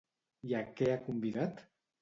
I a què ha convidat?